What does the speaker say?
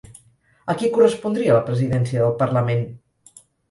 A qui correspondria la presidència del Parlament?